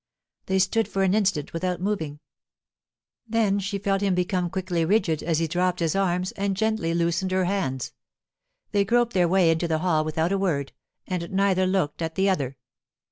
They stood for an instant without moving; then she felt him become quickly rigid as he dropped his arms and gently loosened her hands. They groped their way into the hall without a word, and neither looked at the other.